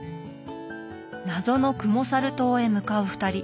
謎のクモサル島へ向かう２人。